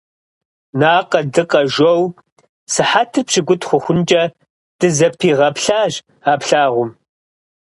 Накъэдыкъэ жоу сыхьэтыр пщыкӏут хъухункӏэ дызэпигъэплъащ а плъагъум.